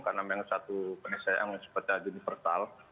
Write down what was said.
karena memang satu penisayaan yang sempat jadi universal